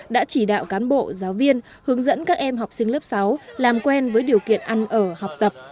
đã chỉ đạo cán bộ giáo viên hướng dẫn các em học sinh lớp sáu làm quen với điều kiện ăn ở học tập